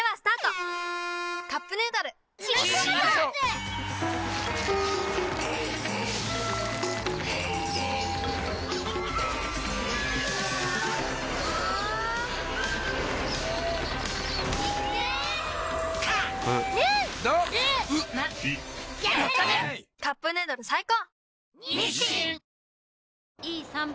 「カップヌードル」最高！